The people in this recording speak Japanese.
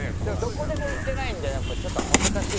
どこでも言ってないんでちょっと恥ずかしい。